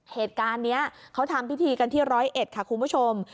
เหตุการณ์นี้เขาทำพิธีกันที่ร้อยเอ็ดค่ะคุณผู้ชม